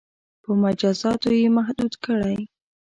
• په مجازاتو یې محدود کړئ.